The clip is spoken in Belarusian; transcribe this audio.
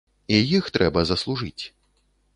І іх трэба заслужыць.